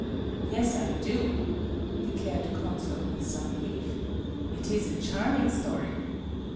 "Yes, I do," declared the consul, with some relief; " it is a charming story."